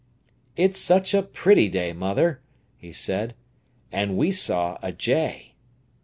"It's such a pretty day, mother!" he said. "And we saw a jay."